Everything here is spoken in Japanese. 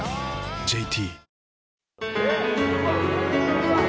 ＪＴ